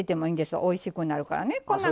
おいしくなるからね。